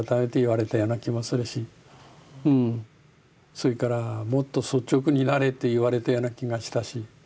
それからもっと率直になれって言われたような気がしたし。